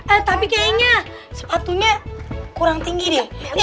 eh tapi kayaknya sepatunya kurang tinggi deh